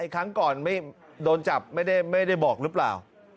ครั้งก่อนไม่โดนจับไม่ได้บอกหรือเปล่า